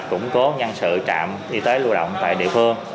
củng cố nhân sự trạm y tế lưu động tại địa phương